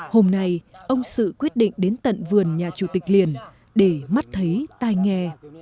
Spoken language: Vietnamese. hôm nay ông sự quyết định đến tận vườn nhà chủ tịch liền để mắt thấy tai nghe